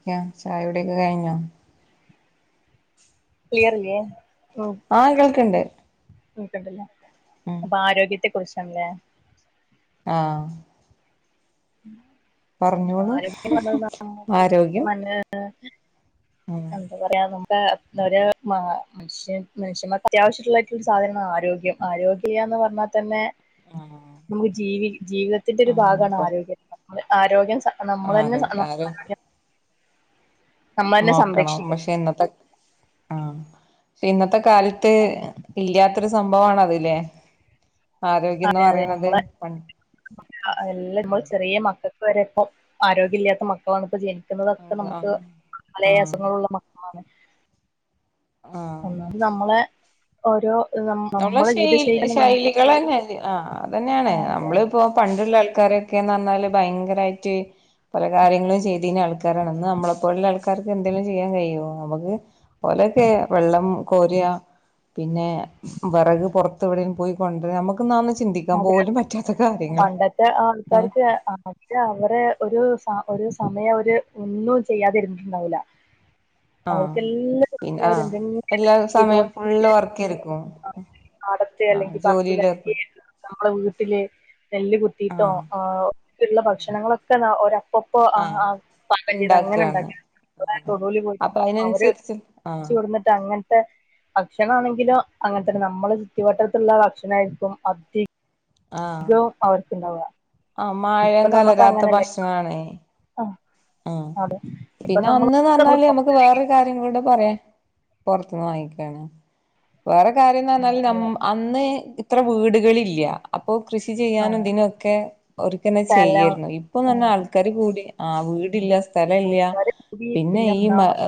ല്ല ചായ കുടിക്കെ കഴിഞ്ഞോ? ക്ലിയർ ഇല്ലേ? ഓഹ് ആഹ് കേൾക്ക്ണ്ട് നക്കണ്ടല്ല ഉം അപ്പ ആരോഗ്യത്തെ കുറിച്ചാണല്ലേ? ആഹ് [unintelligible] പറഞ്ഞോളൂ ആരോഗ്യം ഉം എന്താ പറയാ നമക്ക് ഒര് മ മനുഷ്യൻ മനുഷ്യന്മാർക്ക് അത്യാവശ്യംള്ളട്ടരു സാധനം ആരോഗ്യം ആരോഗ്യല്ലാന്ന് പറഞ്ഞാൽ തന്നെ നമുക്ക് ജീവി ജീവിതത്തിന്റെ ഒരു ആഹ് ഭാഗാണ് ആരോഗ്യം നമ്മളെ ആരോഗ്യം സ ആതെ ആര് നമ്മൾ തന്നെ നോക്കണം സംരക്ഷിക്കണം പക്ഷെ ഇന്നത്തെ ആഹ് ഇന്നത്തെ കാലത്ത് അങ്ങനെ ഇല്ലാത്തൊരു സംഭവാണ് അത് ലേ? അതെ അതെ നമ്മള് ആഹ് എല്ലാം നമ്മൾ ചെറിയ മക്കക്ക് വരെ ഇപ്പം ആരോഗ്യം ഇല്ലാത്ത മക്കളാണ് ഇപ്പം ജനി ജീവിക്കുന്നത് ന്നതൊക്കെ ആഹ് നമുക്ക് പലേ അസുഖങ്ങളുള്ള മക്കളാണ്. ആഹ് ഒന്നാന്തി നമ്മളെ ഓരോ നം നമ്മളെ ശൈ ശൈലികളെ ന്നല്ലേ ആഹ് അന്നെയാണ് അതെ നമ്മള് ഇപ്പൊ പണ്ടുള്ള ആൾക്കാരൊക്കെന്ന് പർഞ്ഞാല് ഭയങ്കരായിട്ട് പല കാര്യങ്ങളും ചെയ്തീനി ആൾക്കാരാണ് അന്ന് നമ്മളെപ്പോലുള്ള ആൾക്കാർക്ക് എന്തെലും ചെയ്യാൻ കഴിയോ നമുക്ക് ഓലെക്കെ വെള്ളം കോര പിന്നെ വെറക് പുറത്ത് എവിടേം പോയി കൊണ്ടര നമ ന്നാന്ന് ചിന്തിക്കാൻ അതെ പോലും പറ്റാത്ത കാര്യങ്ങള പണ്ടത്തെ ഏഹ് ആൾക്കാർക്ക് [unintelligible] അവരെ ഒരു സ ഒരു സമയം അവര് ഒന്നും ചെയ്യാതിരുന്നിട്ടുണ്ടാവുല. ആഹ് അവർക്കെല്ലാം പിന്നെ ആഹ് അവര്ന്തെ എല്ലാ സമയം ചെയ്തോണ്ട് ഫുള്ള് [unintelligible] വർക്കേരിക്കും അഒടത്തെ ആഹ് അല്ലെങ്കിൽ പറമ്പില ജോലിയിലേർപ്പെടും [unintelligible] മ്മള വീട്ടില് നെല്ല് കുത്തിട്ടോ ആഹ് ഒക്കള്ള ഭക്ഷണങ്ങളൊക്കെ ന്ന ഓരാ പൊപ്പ ആഹ് പാട്ടം ചെയ്ത് ഇണ്ടാക്കാണ് അങ്ങനെണ്ടാക്ക. [unintelligible] ആഹ് തൊടൂല് പോയിട്ട് അപ്പൊ അവര് അയിനനുസരിച്ച് ആഹ് വെച്ച് കൊടന്നിട്ട് അങ്ങൻത്തെ ഭക്ഷണ ആണെങ്കിലും അങ്ങൻത്തന്നെ നമ്മള് ചുറ്റു വട്ടത്തുള്ള ഭക്ഷണായിരിക്കും അധി ആഹ് കോ അവർക്ക്ണ്ടാവ. ആഹ് മായം കലരാത്ത ഭക്ഷണാണേ. ആ ആഹ് അതെ ഇപ്പൊ പിന്നെ നമ്മളൊക്കെ അന്ന്ന്നർഞ്ഞാല് നമുക്ക് വേറെ കാര്യങ്ങളുടെ പറയാ പൊറത്തുന്ന് വാങ്ങിക്കാണ്. വേറെ കാര്യംന്ന് പർഞ്ഞാല് അതെ നമ് അന്ന് ഇത്ര വീടുകളില്ല. അപ്പോ കൃഷി ആ ചെയ്യാനും ഇതിനൊക്കെ ഓര്ക്കെന്നെ സ്ഥലം ചെയ്യാരുന്നു ഇ ഇപ്പൊതന്നെ ആൾക്കാര് കൂടി ആ വീടില്ല സ്ഥലല്ല ആൾക്കാര് കൂടി പിന്നെ ഈ ഒന്നാമത്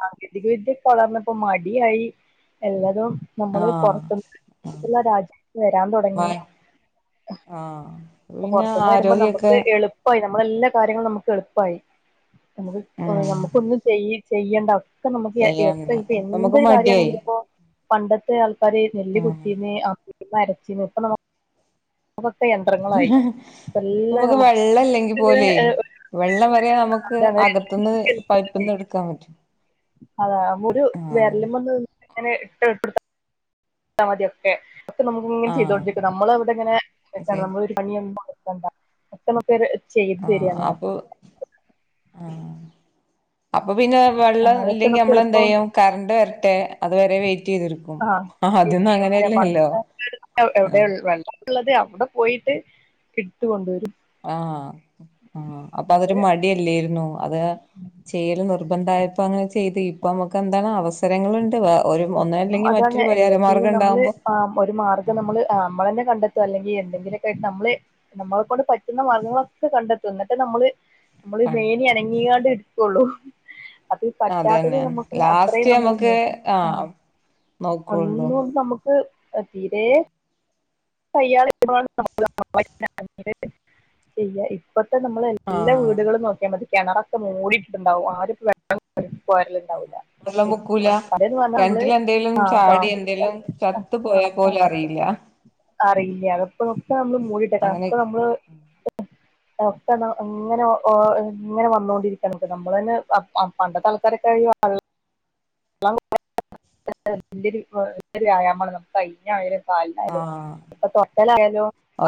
സാങ്കേതിക വിദ്യ വളർന്നപ്പോ മടിയായി എല്ലതും. നമ്മള് ആഹ് പൊറത്തുന്ന് [unintelligible] വരാൻ തുടങ്ങി. വായ് ആഹ് അ പിന്നെ പൊത്ത്ന്ന് വരുമ്പോ ആരോഗ്യൊക്കെ നമുക്ക് എളുപായി നമ്മളെ എല്ലാ കാര്യങ്ങളും നമുക്ക് എളുപ്പായി. നമുക്ക് ഉം നമുക്ക് ഒന്നും ചെയ് ചെയ്യണ്ട. ഇപ്പ നമുക്ക് ഒക്കെ ശരിയാവില്ല ഇപ്പൊ അപ്പൊ നമുക്ക് എന്തൊരു മടിയായി കാര്യമാണെങ്കിലും ഇപ്പോ. പണ്ടത്തെ ആൾക്കാര് നെല്ല് ഉം കുത്തിന്ന് അമ്മിമെല് അരച്ചീന്ന് ഇപ്പ ന ഇപ്പ നമ്മ എല്ലാം ക്ക് നമുക്ക് വെള്ളല്ലെങ്കി ഇങ്ങനെ പോലോ. ഏഹ് വെള്ളം വരെ നമുക്ക് ഇതാണ് അകത്ത്ന്ന് പൈപ്പ്ന്ന് എടുക്കാ. അതെ ഒരു വരലിമന്. ഇങ്ങനെ [unintelligible] ആഹ് [unintelligible] നമ്മള് ഇവടൊ ഇങ്ങനെ നിക്കാ ശരി പണിയൊന്നും എടുക്കണ്ട ഒക്കെ നമുക്ക് ചെയ്തു തരണ്. ആ അപ്പൊ പിന്നെ. വെള്ളം അതൊക്കെ ഇല്ലെങ്കി നമുക്ക് നമ്മളെന്ത് എളുപ്പം ചെയ്യും കറണ്ട് വരട്ടെ അതുവരെ വെയിറ്റ് ചെയ്തിരിക്കും. ആ ആഹ് അതൊന്നും അങ്ങനെയല്ലല്ലോ [unintelligible] എവിടെ ആഹ് വെള്ളം ഉള്ളത് അവിടെ പോയിട്ട് ഇടുത്ത് കൊണ്ടുവരും. ആഹ ആ അപ്പൊ അതെ അതൊരു മടി. മടി അല്ലായിരുന്നോ അത് ചെയ്യൽ നിർബധയപ്പോ അങ്ങനെ ചെയ്ത്. ഇപ്പ നമുക്ക് എന്താണ് അവസ്ഥ. സരങ്ങളുണ്ട് വ ഒരു ഒന്നല്ലെങ്കി മറ്റൊരു പരിഹാര മാർഗം ഉണ്ടാവുമ്പോ? ആ ഒരു മാർ നമ്മള് നമ്മളെന്നെ കണ്ടെത്തും അല്ലെങ്കി എന്തെങ്കിലുമൊക്കെയായിട്ട് നമ്മള്. നമ്മളെ കൊണ്ട് പറ്റുന്ന മാർഗ്ഗങ്ങളൊക്കെ കണ്ടെത്തും എന്നിട്ട് നമ്മള്. നമ്മള് മേനി അനങ്ങിങ്ങ ണ്ട് എടുക്കുള്ളൂ. അത് പറ്റാത്തത് അതന്നെ നമ്മുക്ക് ലാസ്റ്റ് അത്രയും നമുക്ക് നമ്മൾ. ആ ആഹ് നോക്കുള്ളൂ ഒന്നൂ നമുക്ക് തീരെ. [unintelligible] ചെയ്യ ഇപ്പത്തെ നമ്മളെ എല്ലാ ആഹ് വീടുകളും നോക്കിയാ മതി കിണറൊക്കെ മുടിയിട്ടുണ്ടാവും ആ [inaudible] ആ വെള്ള മുക്കൂല പണ്ടെന്ന് പറഞ്ഞാ നമ്മള് കിണറ്റിലെന്തേലും ആഹ് ചാടി എന്തേലും. ചത്ത് പോയാൽ പോലും അറില്ല. അറിയില്ല അതപ്പൊ ഒക്കെ നമ്മള് മൂടിട്ടേക്കാണ് അപ്പ അങ്ങനെയൊക്കെ നമ്മള്. [inaudible] ഒക്കെ ഇങ്ങനെ ഇങ്ങനെ വന്നോണ്ടിരിക്കയക്ക് നമ്മൾ തന്നെ പണ്ടത്തെ ആൾക്കാരൊകെഴിയ. [unintelligible] [unintelligible] [unintelligible] ആഹ് കൊത്തൽ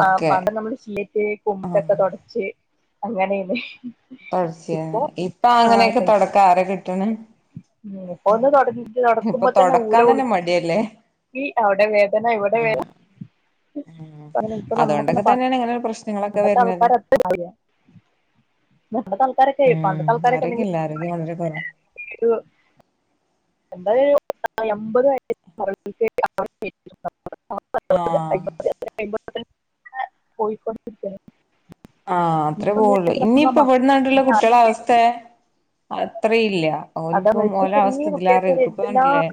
ഓക്കെ ആഹ് ശെ അങ്ങനൊയിന്. തുടച്ചിന് ഇപ്പൊ അങ്ങനെയൊക്കെ തൊടക്കൻ ആരെ കിട്ടണ്. [unintelligible] ഇപ്പൊ നടക്കുമ്പോൾ തന്നെ ഊര തൊടക്കാൻ തന്നെ ഉളുകി മടിയല്ലേ അവിടെ വേദന ഇവിടെ വേദന [unintelligible] അങ്ങനെയിങ്ങനെ പ്രശ്നങ്ങള. പണ്ടത്തെ ആൾക്കാർ [unintelligible] പണ്ടെതെ ആൾക്കാരൊക്കെ ഉം പണ്ടെ ത്തെ ആൾക്കാരൊക്കെ നി ആരോഗ്യല്ല ആരോഗ്യം വളരെ കുറവാ [unintelligible] എബത് വയസ്സിന്റെ ആഹ് മുകളിൽ [unintelligible] ആഹ് അത്രേ പോവുള്ളു ഇനിയിപ്പ ഇവിട്ന്നാട്ടുള്ള കുട്ടിള അവസ്ഥ അത്രയില്ല [unintelligible] [unintelligible] ഓൽക്കും ഓലെ അവസ്ഥ ഇതിലേറെ ഇരിക്കും ഇപ്പ കണ്ടില്ലേ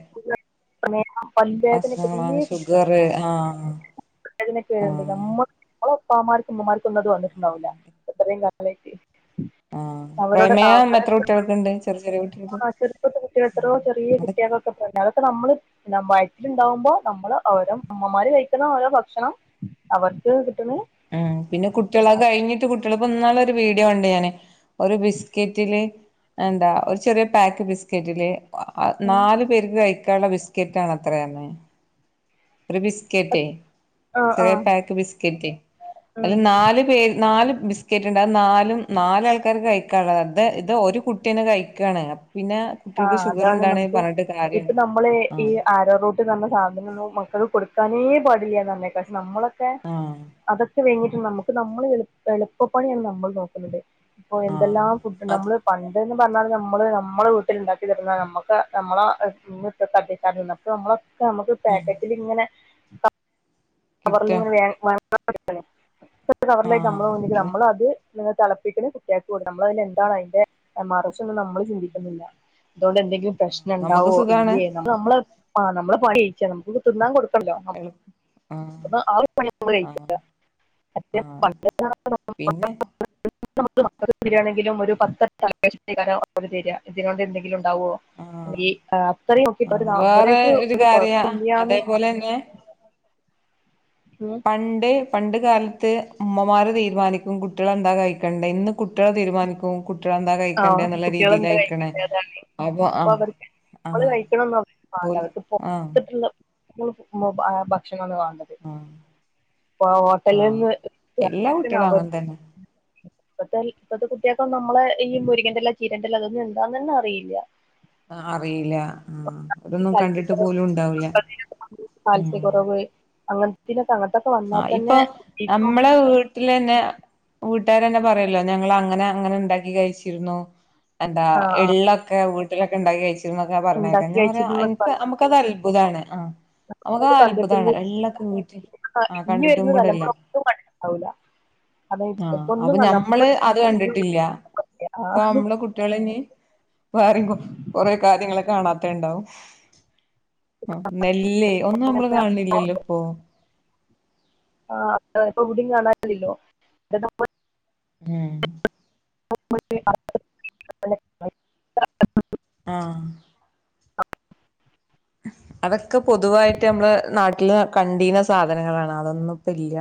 പല്ലേദന അസുഖങ്ങളാണ് ചെറ്യേ ഷുഗർ ആഹ് [unintelligible] ആഹ് നമ്മൾ [unintelligible] അഓ പ്പാമാർക്കും ഉമ്മ്മാർക്കും ഒന്നും അത് വന്നിട്ടുണ്ടാവൂല്ല എത്രയും കാലായി്ട്ട് ആഹ് പ്രേമേയം എത്ര കുട്ടികൾക്ണ്ട് ചെറിയ ചെറിയ കു ആഹ് ചെർപ്പതെ കുട്ടെ എത്രോ ചെറിയ കുട്ട്യേ ളൊക്കെക്കെ അഹ് പ്പ നമ്മള് [unintelligible] വയറ്റിണ്ടാവുമ്പോ നമ്മള് ഓരോ അമ്മമാര് കഴിക്കുന്ന ഓരോ ഭക്ഷണം അവർക്ക് കിട്ട്ണെ ഉം പിന്നെ കുട്ട്യേളെഹ് കഴിഞ്ഞിട്ട് കുട്ട്യേളപ്പോ ഇന്നലെ ഒന്നുള്ള ഒരു വീഡിയോ കണ്ട് ഞാന് ഒരു ബിസ്കറ്റില് എന്താ ഒരു ചെറിയ പാക്ക് ബിസ്കറ്റില് അഹ് അഹ് നാലു പേർക്ക് കഴിക്കാൻള്ള ബിസ്ക്കറ്റ ആണെത്രേ അന്ന് ഒരു ബിസ് ക്കേറ്റെ ആ ആ ചെറ്യേ പേക് ബിസ്ക്കറ്റ് ഉം. എൽനാല് പേ നാല് ബിസ്ക്കറ്റ് ണ്ട് അത് നാലും നാലാൾക്കാർക് കഴിക്കാള്ളത് അത് ഇത് ഒരു കുട്ടീന്നെ കഴികാണ് പിന്നെ കുട്ടികൾക്ക് ആഹ് ഷുഗർ അതാണ് ഉണ്ടാണ് നമക്ക് പറഞ്ഞിട്ട് ഇപ്പ കാര്യല്ല നമ്മള് ഈ ആഹ് ആ എഹ് റൂട്ട് തന്ന സാധനംന്നും മക്കൾ കൊടുക്കാനേ പാടില്ല്യാന്നറ്ഞേക നമ്മള ഫെ ആഹ് അതൊക്കെ വയ്ഞ്ഞിട്ട് നമ്മുക്ക് നമ്മൾ എ എളുപ്പപ്പണിയാണ് നമ്മൾ നോക്കുന്നത് ഇപ്പൊ എന്തെല്ലാം ആഹ് ഫുഡ് അത് നമ്മള് പണ്ട്ന്ന് പറഞ്ഞാല് നമ്മള് നമ്മള് ത്ണ്ടാക്കി തരുന്ന നമ്മക്ക് നമ്മള മ്മി പ്പി [unintelligible] അപൊ മ്മളെ ക്കെ മക്ക് ഉം പാക്കറ്റിലിങ്ങനെ [unintelligible] [unintelligible] കിട്ടാ ആഹ് പിന്നെ നമ്മളും അത് ത്ങ്ങനെ തിളപ്പിക്കുന്ന കുട്ട്യേകെടും നമ്മള അതില എന്താണ് അതിന്റെ മറച്ചും നമ്മൾ ചിന്തിക്കുന്നില്ല തോണ്ട് എന്തെങ്കിലും പ്രശ്നം നമുക്ക് ണ്ടാവോ സുഖാണ് ഇല്ലേ അത് നമ്മള് ആഹ് നമ്മള് പണിയ്ച്ച നമുക് തിന്നാൻ കൊടുക്കണല്ലോ എളു [unintelligible] ആഹ് [unintelligible] ആഹ് ആഹ് പിന്നെ തെന്തെങ്കിലും ഉണ്ടാവോ ആഹ് അല്ലേ അത്രയും ഒക് ആഹ് [unintelligible] അവരക്ക ഒരു കുഴപ്പല്ല്യാന്ന് ള്ളേന്നെ ഉം പണ്ട് പണ്ട് കാലത്ത് ഉമ്മമാര് തീരുമാനിക്കും കുട്ടികള എന്താ കഴിക്കേണ്ടേ ഇന്ന് കുട്ട്യേളെ തീരുമാനിക്കും കുട്ടിളെന്താ ആ കഴിക്കണ്ടേ ന്നുള്ള കുട്ടികൾ രീതിയിൽ എന്താ അയക്കണേ കഴിക്കണ്ടേ അതാണ് അപ്പൊ ഇപ്പൊ ആഹ് അവർക്ക് നമ്മള് ആഹ് കഴിക്കണംന്ന അവർക് മാണ്ട ഓൽ അവർക്ക് ആഹ് പുറത്തിട്ടുള്ള ഭക്ഷണം വേണ്ടത് ആഹ് [unintelligible] ഹോട്ടൽ ആഹ് എല്ലാ നിന്ന് കുട്ടികളും അവർ അങ്ങനെ തന്നെ [unintelligible] പ്പത്തെ പ്പത്തെ കുട്ട്യേക്കൊന്നും നമ്മളെ ഈ മുരിങ്ങന്റെല ചീരന്റെല എന്താന്ന്ന്നെ അറിയില്ല അറിയില്ല ആഹ് ഈ ഒതൊന്നും കണ്ടിട്ട് കാൽസ്യക്കുറവ് പോലും ഉണ്ടാവില്ല ഉം അങ്ങൻത്തിനൊക്കെ അങ്ങൻത്തൊക്കെ വന്നാ തന്നെ [unintelligible] ട്ടിലെന്നെ വീട്ടാരെന്നെ പറയല്ലോ ഞങ്ങള് അങ്ങനെ അങ്ങനെ ണ്ടാക്കി കഴിച്ചിരുന്നു എന്താ ആ ആ എള്ളൊക്കെ വീട്ടിലൊക്കെ ഉണ്ടാക്കി കയിച് ന്നൊക്കെ പറഞേക്ക ഉണ്ടാക്കി ഞാൻ പറയാ കഴിച്ചിരുന്നൊക്കെ എനിക്ക് പറഞ്ഞു നമുക്ക് അത് അത്ഭുതാണ് അഹ് നമുക്ക് ആത്ഭുതമാണ് എള്ളൊക്കെ വീട്ടിൽ ആഹ് ഇനി കണ്ടിട്ടും വരുന്ന കൂടെല്ല തലമുറ ഒന്നും കണ്ടിണ്ടാവൂല്ല ആഹ് അപ്പൊ ഞമ്മള് അത് കണ്ടിട്ടില്ല ഇപ്പ നമ്മളെ കുട്ടികള ഇനി പാറി [unintelligible] കൊറെ കാര്യങ്ങള കാണാത്ത ണ്ടാവും ആഹ് നെല്ല് ഒന്നും നമ്മള് കാണണില്ലല്ലോ ഇപ്പൊ ആഹ് അത് ഇപ്പ എവ്ടിം കാണാല്ലല്ലൊ [unintelligible] ഉം ആഹ് അതൊക്കെ പൊതുവായിട്ട് നമ്മള് നാട്ടിൽ കണ്ടീന്ന സാധനങ്ങളാണ് അതൊന്നും ഇപ്പ ഇല്ല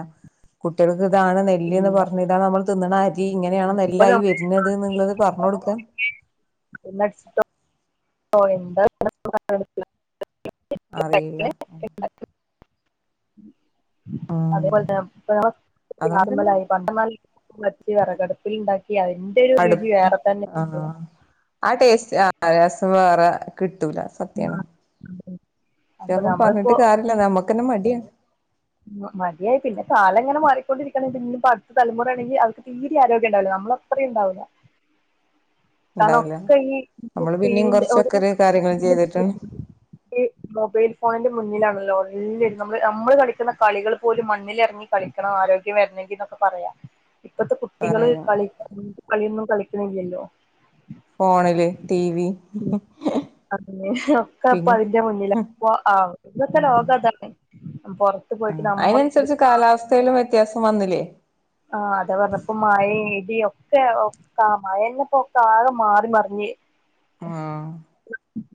കുട്ടികൾക്ക് ഇതാണ് നെല്ലിന്ന് ഇല്ല പറഞ്ഞ് ഇതാണ് നമ്മൾ തിന്നണ ആരി ഇങ്ങനെയാണ് ഇപ്പൊ നെല്ലായി വരുന്നത് ന്ന്ള്ളത് പർഞ്ഞോട്ക്കാൻ [unintelligible] ഓഹ് എന്താ [unintelligible] അറീല്ല ഉം അതേപോലെതന്നേ അതുകൊണ്ടന്നെ [unintelligible] പണ്ട്ന്നർഞ്ഞാല് മ്മച്ചി വച്ച് വിറകടപ്പിൽ ഉണ്ടാക്കി അരിഞ്ഞ് അടുപ്പ് ആഹ് ആഹ് ആ ടേസ്റ്റ് ആ രസം വേറെ കിട്ടൂല ഉം ഉം ഇഞ്ഞിയാന്നും പറഞ്ഞിട്ട് കര്യല്ല നമ്മുക്കന്നെ മടിയാണ് മടിയായി പിന്നെ കാലങ്ങനെ മാറിക്കൊണ്ടിരിക്കണ് പിന്നിം അടുത്ത തലമുറ ആണെങ്കിൽ അവക്ക് തീരിം ആരോഗ്യം ണ്ടാവുല്ല നമ്മളത്രിണ്ടാവുല്ല ണ്ടാവൂല ഈ നമ്മള് പിന്നെയും സ്ക്രീനിന്റെ ഒരു കൊറച്ചൊക്കൊര് കാര്യങ്ങള് ചെയ്തിട്ടാണ് ഈ മൊബൈൽ ഫോണിന്റെ മുന്നിലാണല്ലോ എല്ലരും നമ്മള് നമ്മൾ കളിക്ക ട്ട്ന്ന കളികൾ പോലും മണ്ണിലെർങ്ങി കളിക്കണം ആരോഗ്യം വരണെങ്കിന്നൊക്കെ പറയാ ഇപ്പത്തെ കുട്ടികള് പറയും കളി കളിയൊന്നും കളിക്കണില്ലല്ലോ ഫോണില് ടിവി അങ്ങനെ ഒക്കെ അപ്പൊ അയിന്റെ മുന്നിലാ പ്പൊ ആഹ് ഇതൊക്കെ ലോകം അതാണെ ആഹ് അയിനനുസരിച്ച് കാലാവസ്ഥയിലും വ്യത്യാസം വന്നില്ലേ ആഹ് അതാ പറഞ്ഞപ്പം മഴയും ഇടിയ ഒക്കെ കാ മഴന്നെപ്പോക്കാക്കെ മാറി മറിഞ്ഞ് ആഹ്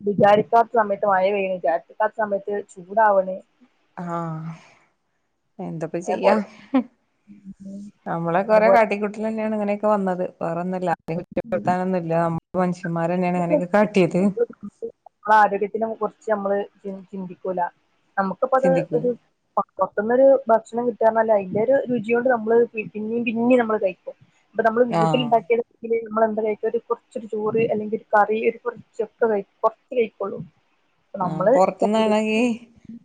വിചാരിക്കാത്ത സമയത്ത് മഴപെയ്യ്ണ് വിചാരിരിക്കാത്ത സമയത്ത് ചൂടാവണ് ആഹ് എന്തൊപ്പ ചെയ്യാ അതേപോലെ നമ്മളൊക്കെ ഓരോ അതുപോലെ കാട്ടിക്കൂട്ടല്ന്നെയാണ് ഇങ്ങനെയൊക്കെ വന്നത് വെറേന്നില്ല അതിനെ കുറ്റപ്പെടുത്താനൊന്നുല്ല നമ്മ മനുഷ്യമാര്തന്നെയാണ് അങ്ങനൊക്കെ കാട്ടിയത് നമ്മളെ ആരോഗ്യത്തിനും കുറച്ച് നമ്മള് ചിന്തിക്കൂല നമുക്കിപ്പത് ചിന്തിക്കൂല ഒരു പോറത്തിന്നെരു ഭക്ഷണം കിട്ടാർ ഞ്ഞാല് അന്റെരു രുചി കൊണ്ട് നമ്മള് പിന്നെയും പിന്നിം നമ്മള് കഴിക്കും ഇപ്പൊ നമ്മള് ആഹ് വീട്ടില്ണ്ടാക്കിയത് ല്ലങ്കില് നമ്മള് എന്ത കഴിക്ക ഒരു കുറച് ചോറ് അല്ലെങ്കിൽ ഒരു കറി ഒരു കുറച്ചൊക്കെ കഴിക്കൊ [unintelligible] ക്കോളും ആഹ് പോറത്തുന്നാണെങ്കി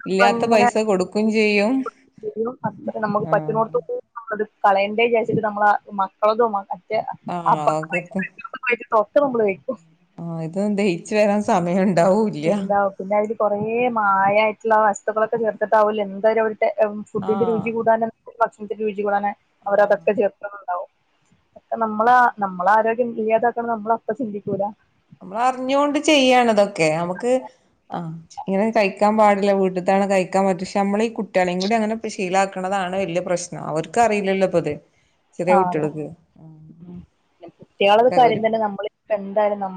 ഇല്ലാത്ത പൈസ കൊടുക്കും ചെയ്യും [unintelligible] നമ്മക്ക് ആഹ് പറ്റ്ണോട്ത് [unintelligible] അത്‌ കളയണ്ടേ വിചാരിച്ചിട്ട് നമ്മള് ആ മക്കളത്തും മറ്റേ ആഹ് അപ്പർ ഓക്കെ [unintelligible] [unintelligible] തൊക്ക നമ്മള് കഴിക്കും ആഹ് ഇതൊന്ന് ദഹിച്ചു വരാൻ സമയം ഉണ്ടാവൂ ഇണ്ടാവും പിന്നെ അവര് കൊറേ മായായിട്ടുള്ള വസ്തുക്കളൊക്കെ ചേർത്തിട്ടാവൂല എന്തായാലും അവരുടെ എം ഫുഡിന്റെ ആഹ് രുചി കൂട്ടാന് ഭക്ഷണത്തിന്റെ രുചി കൂടാന് അവര ആഹ് അതെക്കെ ചേർക്കണ ക്കെ നമ്മള് ആഹ് നമ്മള് ആരോഗ്യം ഏതാക്കണം നമ്മള അപ്പ ചിന്തിക്കൂല നമ്മളറിഞ്ഞോണ്ട് ചെയ്യാണ് ഇതൊക്കെ നമുക്ക് ആഹ് ഇങ്ങനെ കഴിക്കാൻ പാടില്ല വീട്ട്ത്താണ് കഴിക്കാൻ പറ്റ പക്ഷേ നമ്മള ഈ കുട്ടികളിയും കൂടി അങ്ങനെ ശീലാക്ക് നതാണ് വല്യ പ്രശ്നം അവർക്ക അറിയില്ലല്ലോ ഇപ്പൊ ഇത് ചെറിയ ആ കുട്ടികൾക്ക് അതെ കുട്ടിയാളെ ഒരു കാര്യം തന്നെ നമ്മള് എന്തായാലും ന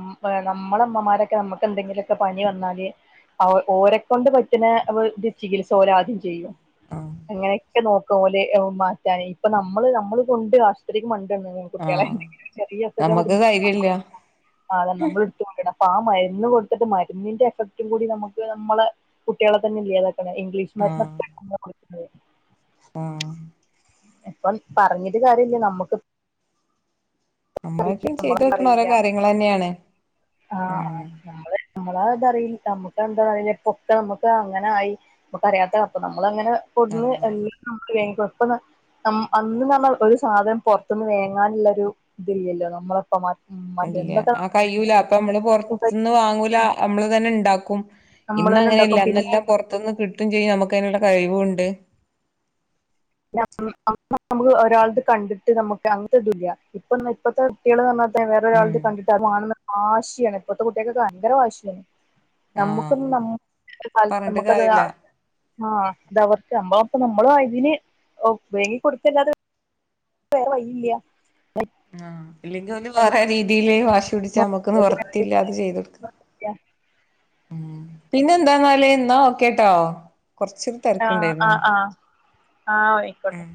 നമ്മള ഇമ്മമാരൊക്കെ നമുക്ക് എന്തെങ്കിലുക്കെ പനി വന്നാല് അവ ഓരെ കൊണ്ട് പറ്റ്ണ ചികിത്സ ഓര് ആദ്യം ചെയ്യും ആഹ് അങ്ങനെയൊക്കനോക്ക ഓല്ല് മാറ്റാന് ഇപ്പൊ നമ്മള് നമ്മൾ കൊണ്ട് ത്രക്ക് മണ്ടാണ് കുട്ടിയളെ ആഹ് ചെറിയ അസുഖം നമ്മക്ക് വരുമ്പ ധൈര്യല്ല അത നമ്മൾ എടുത്ത കൊണ്ടണം അപ്പൊ ആ മരുന്ന് കൊടുത്തിട്ട് മരുന്നിന്റെ എഫക്ടും കൂടി നമുക്ക് നമ്മളെ കുട്ടിയളെ തന്നെ ഇല്ലാതാക്ക ഇംഗ്ലീഷ് മരുന്ന് ആഹ് ആഹ് ഇപ്പം പറഞ്ഞിട്ട് കാര്യല്ല നമ്മുക്ക് നമ്മളൊക്കയും ചെയ്തു നമ്മളെ വെക്കണ ഓരോ അറിയില്ല കാര്യങ്ങളെന്നെയാണ് ആ ആഹ് നമ്മ നമ്മളതറില്ല നമുക്ക് എന്താറി പൊക്കെ നമുക്ക് അങ്ങനെ ആയി നമ്മക്കറിയാത്ത അപ്പ നമ്മളങ്ങനെ ആഹ് [unintelligible] ന അന്ന് നമ്മൾ ഒരു സാധനം പൊറത്തുന്ന് വേങ്ങാനുള്ള ഒരു ഇതില്ലല്ലോ നമ്മളപ്പമാർ ഉം അത് ഇല്ല എന്നത ആഹ് കയ്യൂല അപ്പൊ നമ്മള് പൊറത്ത്ന്ന് വാങ്ങൂല നമ്മള് തന്നെ ഇണ്ടാക്കും നമ്മള് തന്നെ ഇന്നങ്ങനെയല്ല ഉണ്ടാക്കും പിന്നെ ഇന്നെല്ലാം പൊറത്തുന്ന് കിട്ടും ചെയ്യും നമുക്ക് അയിനുള്ള കഴിവുംണ്ട് [unintelligible] ഒരാളത് കണ്ടിട്ട് നമുക്ക് അങ്ങനത്തെ ഇതല്ല ഇപ്പൊ ഇപ്പത്തെ കുട്ടികൾന്നറഞ്ഞാ വേറൊരാളത് ഉം കണ്ടിട്ട് അത് വാണന്ന് ആശിയാണ് ഇപ്പഴത്തെ കുട്ട്യാൾകൊക്കൊ ഭയങ്കര വാശിയാണ് ആഹ് നമുക്കൊന്നും ന ഒരു കാലത്തു പറഞ്ഞിട്ട് നമ്മുക്കത് ആ കാര്യല്ല ആ അതവർക്ക് അപ്പ നമ്മള് അതിന് വേങ്ങി കൊടുക്കല്ലാതെ വ വഴിയില്ല ആ ഇല്ലെങ്കിൽ ഓല് വേറെ രീതില് വാശി ശിടിച്ച നമ്മുക്ക് നിർത്തില്ല അത് ചെയ്ത് കൊടുക്ക ഉം പിന്നെ എന്താന്നാല് എന്നാ ഓക്കേട്ടോ കൊറച്ച് ആഹ് ആഹ് അഹ് ആ ആയിക്കോട്ടെ